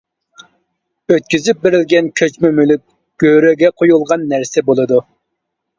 ئۆتكۈزۈپ بېرىلگەن كۆچمە مۈلۈك گۆرۈگە قويۇلغان نەرسە بولىدۇ.